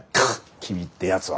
君ってやつは。